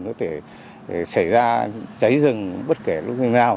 có thể xảy ra cháy rừng bất kể lúc nào